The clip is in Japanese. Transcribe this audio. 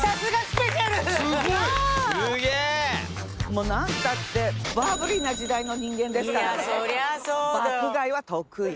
もう何たってバブリーな時代の人間ですからね。